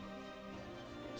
sakti alam syah dan proto kusumo